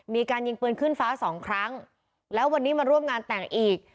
มีการยิงปืนขึ้นฟ้าสองครั้งแล้ววันนี้มาร่วมงานแต่งอีก